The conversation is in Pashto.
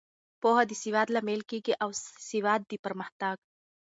پوهه د سواد لامل کیږي او سواد د پرمختګ.